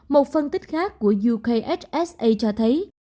một phân tích khác của ukhsa cho thấy